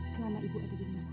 selama ibu ada di rumah sakit